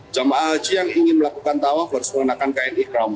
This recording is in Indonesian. jemaah haji yang ingin melakukan tawaf harus mengenakan kain ikhram